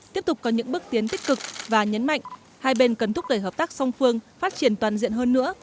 tiếp tục có những bước tiến tích cực và nhấn mạnh hai bên cần thúc đẩy hợp tác song phương phát triển toàn diện hơn nữa